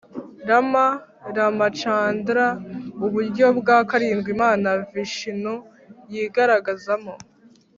rama, ramacandara: uburyo bwa karindwi imana vishinu yigaragazamo.